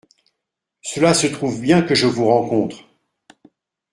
Cela se trouve bien que je vous rencontre.